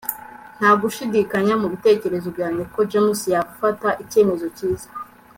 nta gushidikanya mubitekerezo byanjye ko james yafata icyemezo cyiza